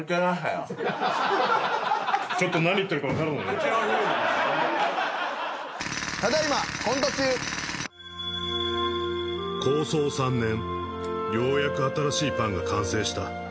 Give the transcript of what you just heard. ようやく新しいパンが完成した